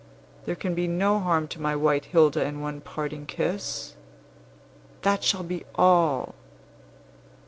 There can be no harm to my white Hilda in one parting kiss. That shall be all!"